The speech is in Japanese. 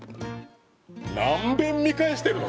「何べん見返してるの」